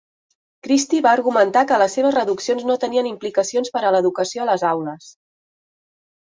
Christie va argumentar que les seves reduccions no tenien implicacions per a l'educació a les aules.